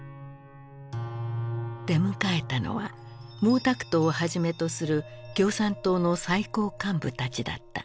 出迎えたのは毛沢東をはじめとする共産党の最高幹部たちだった。